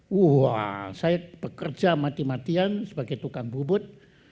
wah saya bekerja mati matian sebagai tukang bubut